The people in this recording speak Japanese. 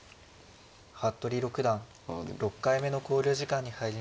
服部六段６回目の考慮時間に入りました。